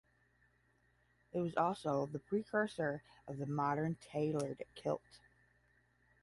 It was also the precursor of the modern tailored kilt.